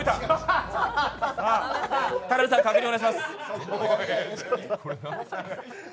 田辺さん確認お願いします。